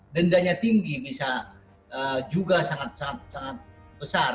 dendanya tinggi bisa juga sangat besar